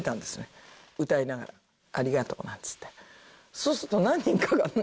そうすると。